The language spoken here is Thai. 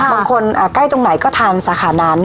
ใกล้ตรงไหนก็ทานสาขานั้น